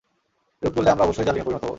এরূপ করলে আমরা অবশ্যই জালিমে পরিণত হব।